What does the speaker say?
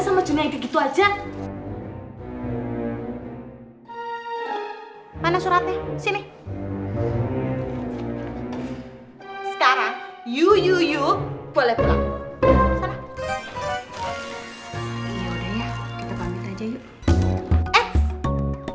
sama cuneya gitu aja mana suratnya sini sekarang yuyuyuyuu boleh pulang yaudah ya kita pamit aja yuk